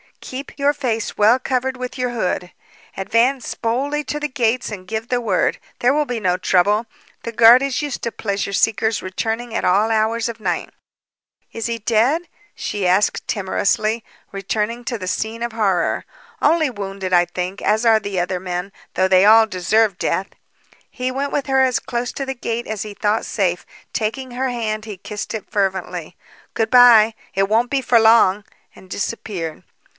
Keep your face well covered with your hood. Advance boldly to the gates and give the word. There will be no trouble. The guard is used to pleasure seekers returning at all hours of night." "Is he dead?" she asked timorously, returning to the scene of horror. "Only wounded, I think, as are the other men, though they all deserve death." He went with her as close to the gate as he thought safe. Taking her hand he kissed it fervently. "Good bye! It won't be for long!" and disappeared.